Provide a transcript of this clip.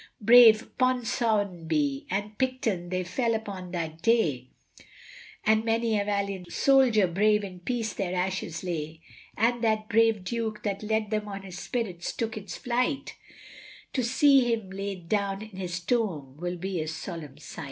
Brave Ponsonby and Picton they fell upon that day, And many a valiant soldier brave in peace their ashes lay, And that brave Duke that led them on his spirit's took its flight, To see him laid down in his tomb will be a solemn sight.